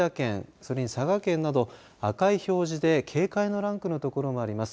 それに佐賀県など赤い表示で警戒のランクのところがあります。